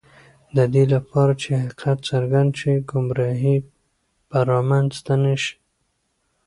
د دې لپاره چې حقیقت څرګند شي، ګمراهی به رامنځته نه شي.